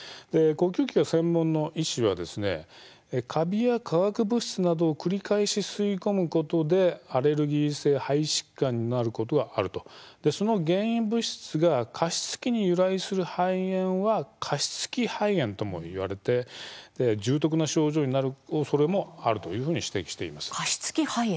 呼吸器が専門の医師はカビや化学物質などを繰り返し吸い込むことでアレルギー性肺疾患になることがあり、その原因物質が加湿器に由来する肺炎は加湿器肺炎ともいわれ重篤な症状になるおそれもあると指摘します。